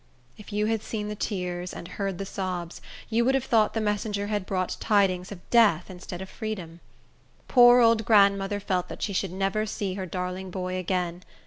If you had seen the tears, and heard the sobs, you would have thought the messenger had brought tidings of death instead of freedom. Poor old grandmother felt that she should never see her darling boy again.